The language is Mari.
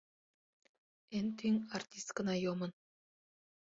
— Эн тӱҥ артисткына йомын!